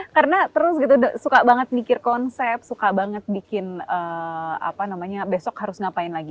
karena terus gitu suka banget mikir konsep suka banget bikin apa namanya besok harus ngapain lagi